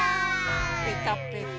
ぺたぺた。